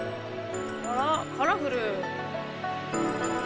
あらカラフル。